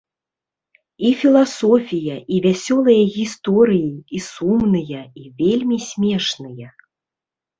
І філасофія, і вясёлыя гісторыі, і сумныя, і вельмі смешныя.